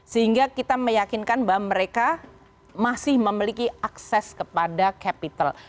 sehingga kita meyakinkan bahwa mereka masih memiliki akses kepada capital